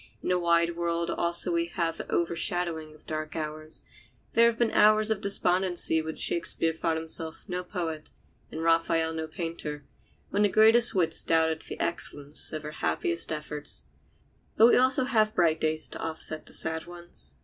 In the wide world also we have the overshadowing of dark hours. There were hours of despondency when Shakespeare thought himself no poet and Raphael no painter, when the greatest wits doubted the excellence of their happiest efforts. But we have also bright days to offset the sad ones.